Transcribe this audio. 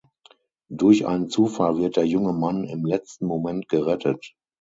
Durch einen Zufall wird der junge Mann im letzten Moment gerettet.